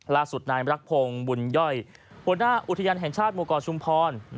ล่าสุดนายมรักพงศ์บุญย่อยหัวหน้าอุทยานแห่งชาติหมู่เกาะชุมพร